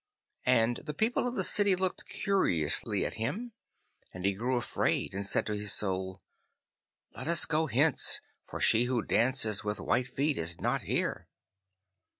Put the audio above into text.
And the people of the city looked curiously at him, and he grew afraid and said to his Soul, 'Let us go hence, for she who dances with white feet is not here.